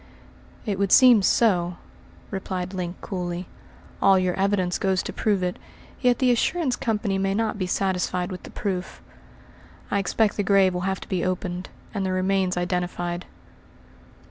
"It would seem so," replied Link coolly. "All your evidence goes to prove it, yet the assurance company may not be satisfied with the proof. I expect the grave will have to be opened, and the remains identified."